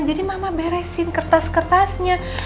jadi mama beresin kertas kertasnya